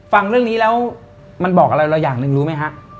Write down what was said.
ฟังเรื่องนี้แล้วมันบอกอะไรเราอย่างหนึ่งรู้ไหมฮะ